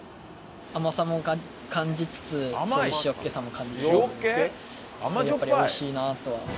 甘さも感じつつ塩っけさも感じられたのでやっぱりおいしいなとは。